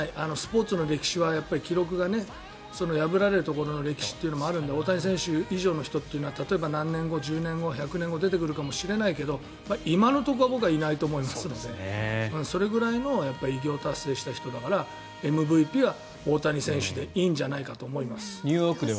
スポーツの歴史は記録が破られる歴史もあるので大谷選手以上の人は例えば何年後１０年後、１００年後に出てくるかもしれないけど今のところ僕はいないと思いますしそれぐらいの偉業を達成した人だからＭＶＰは大谷選手でいいんじゃないかと思います。